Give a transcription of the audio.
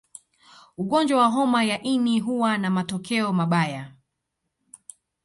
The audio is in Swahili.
Ugonjwa wa homa ya ini huwa na matokeo mabaya